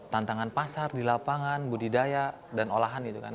tantangan pasar di lapangan budidaya dan olahan gitu kan